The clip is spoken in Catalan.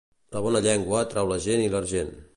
La bona llengua atrau la gent i l'argent.